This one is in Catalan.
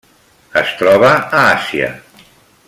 Es troba a Àsia: